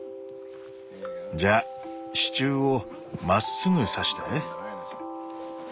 じゃあ支柱をまっすぐ挿して。